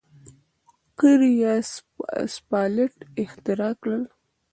قیر یا سفالټ اختراع کړ.